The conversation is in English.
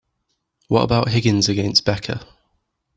What about Higgins against Becca?